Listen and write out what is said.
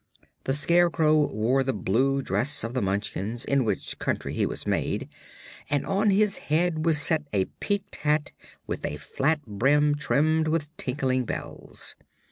The Scarecrow wore the blue dress of the Munchkins, in which country he was made, and on his head was set a peaked hat with a flat brim trimmed with tinkling bells.